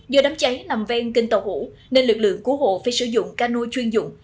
do đám cháy nằm ven kênh tàu hủ nên lực lượng cứu hộ phải sử dụng cano chuyên dụng